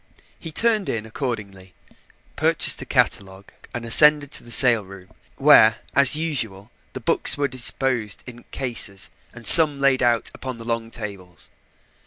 He turned in accordingly, purchased a catalogue and ascended to the sale room, where, as usual, the books were disposed in cases and some laid out upon the long tables.